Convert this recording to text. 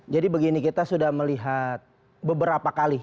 jadi begini kita sudah melihat beberapa kali